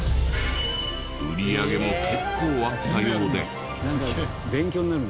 売り上げも結構あったようで。